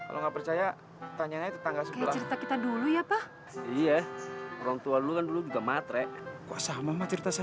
wah ngapain si leli putri itu ke sini lagi